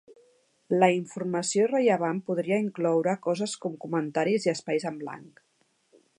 La informació irrellevant podria incloure coses com comentaris i espais en blanc.